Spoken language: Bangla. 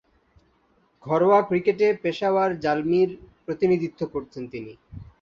ঘরোয়া ক্রিকেটে পেশাওয়ার জালমি’র প্রতিনিধিত্ব করছেন তিনি।